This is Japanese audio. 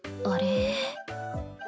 あれ？